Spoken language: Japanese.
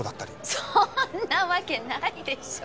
そんなわけないでしょ。